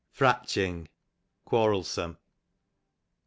Fratching, quarelsome.